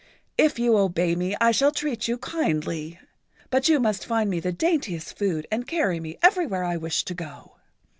If you obey me I shall treat you kindly. But you must find me the daintiest food and carry me everywhere I wish to go.